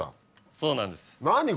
そうなんです。